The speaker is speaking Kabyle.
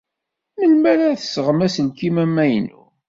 Melmi ara d-tesɣem aselkim amaynu?